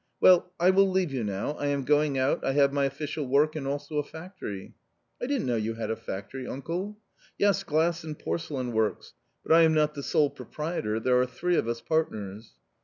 Well, I will leave you now, I v am going out, I have my official work and also & factory ."" I didn't know you had a factory, uncle." " Yes, glass and porcelain works : but I am not the sole proprietor, mere are three of us partners."